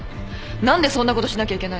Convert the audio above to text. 何でそんなことしなきゃいけないの。